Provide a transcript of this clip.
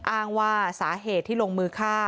อ้างว่าสาเหตุที่ลงมือฆ่า